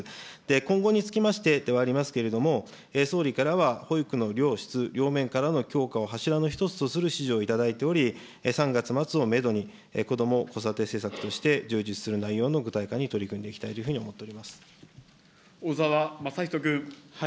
今後につきましてではありますけれども、総理からは保育の量、質、両面からの強化を柱の一つとする指示をいただいており、３月末をメドに、こども・子育て政策として充実する内容の具体化に取り組んでいきたいというふうに思っております。